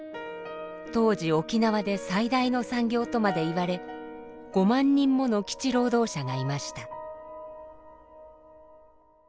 当時沖縄で最大の産業とまでいわれ５万人もの基地労働者がいました。